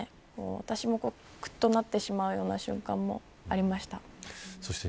私も、くっとなってしまうような瞬間もありました。